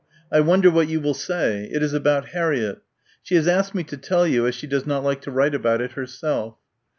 I wonder what you will say? It is about Harriett. She has asked me to tell you as she does not like to write about it herself."